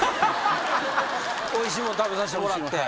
おいしいもの食べさせてもらって。